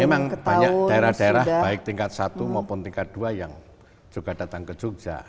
memang banyak daerah daerah baik tingkat satu maupun tingkat dua yang juga datang ke jogja